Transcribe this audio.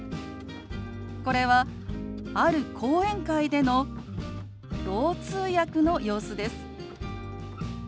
これはある講演会でのろう通訳の様子です。